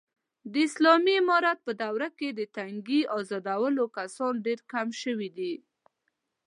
د اسالامي امارت په دوره کې، د تنگې ازادولو کسان ډېر کم شوي دي.